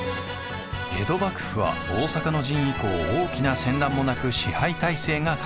江戸幕府は大坂の陣以降大きな戦乱もなく支配体制が確立。